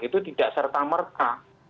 itu tidak serta merta